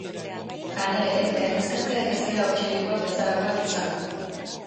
Hala ere, gainezkatzeak ez dira otsailekoak bezalakoak izango.